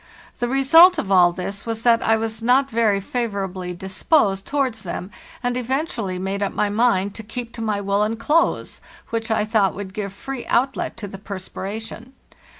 The result of all this was that I was not very favorably disposed towards them, and eventually made up my mind to keep to my woollen clothes, which I thought would give free outlet to the perspiration.